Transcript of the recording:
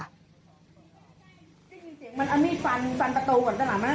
มันมีฟันประตูก่อนข้างหลัง